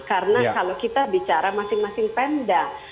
karena kalau kita bicara masing masing pendah